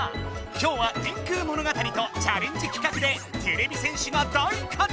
今日は電空物語とチャレンジ企画でてれび戦士が大活やく！